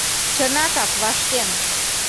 Чынакак, вашкен.